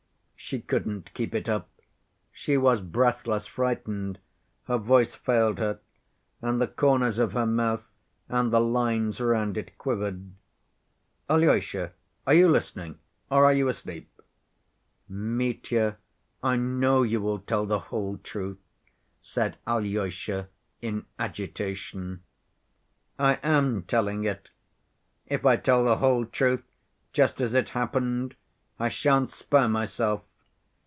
"She couldn't keep it up. She was breathless, frightened, her voice failed her, and the corners of her mouth and the lines round it quivered. Alyosha, are you listening, or are you asleep?" "Mitya, I know you will tell the whole truth," said Alyosha in agitation. "I am telling it. If I tell the whole truth just as it happened I shan't spare myself.